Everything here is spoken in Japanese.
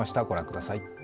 御覧ください。